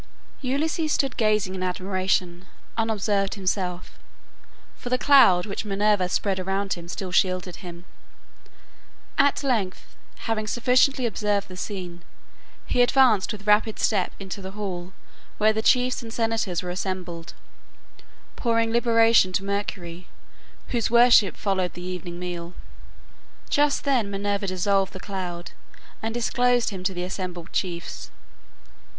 Ulysses stood gazing in admiration, unobserved himself, for the cloud which Minerva spread around him still shielded him. At length, having sufficiently observed the scene, he advanced with rapid step into the hall where the chiefs and senators were assembled, pouring libation to Mercury, whose worship followed the evening meal. Just then Minerva dissolved the cloud and disclosed him to the assembled chiefs.